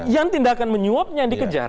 yang tindakan menyuapnya dikejar